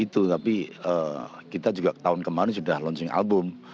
tapi kita juga tahun kemarin sudah launching album